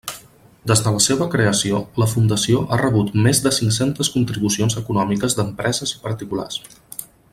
Des de la seva creació, la fundació ha rebut més de cinc-centes contribucions econòmiques d'empreses i particulars.